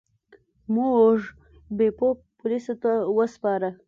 موږ بیپو پولیسو ته وسپاره.